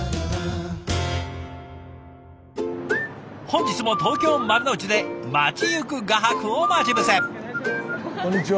本日も東京・丸の内で街行く画伯を待ち伏せ。